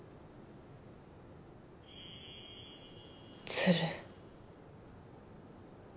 鶴。